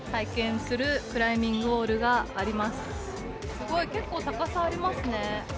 すごい、結構高さありますね。